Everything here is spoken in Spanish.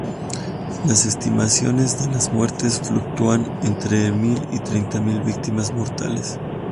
Las estimaciones de las muertes fluctúan entre mil y treinta mil víctimas mortales.